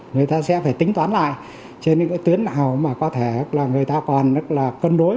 người ta sẽ phải tính toán lại trên những cái tuyến nào mà có thể là người ta còn cân đối